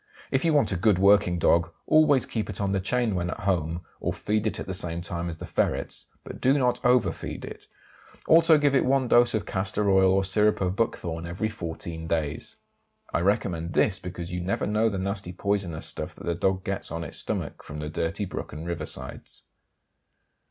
If you want a good working dog always keep it on the chain when at home, and feed it at the same time as the ferrets, but do not over feed it; also give it one dose of castor oil or syrup of buckthorn every 14 days. I recommend this because you never know the nasty poisonous stuff that the dog gets on its stomach from the dirty brook and river sides.